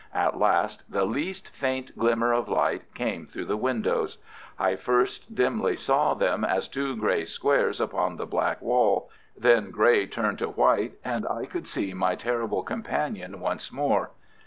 At last the least faint glimmer of light came through the windows—I first dimly saw them as two grey squares upon the black wall, then grey turned to white, and I could see my terrible companion once more.